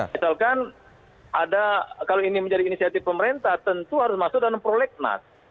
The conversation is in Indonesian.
misalkan ada kalau ini menjadi inisiatif pemerintah tentu harus masuk dalam prolegnas